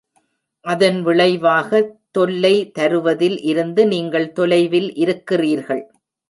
அதன் விளைவாக தொல்லை தருவதில் இருந்து நீங்கள் தொலைவில் இருக்கிறீர்கள்.